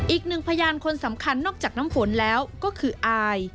อีกหนึ่งพยานคนสำคัญนอกจากน้ำฝนแล้วก็คืออาย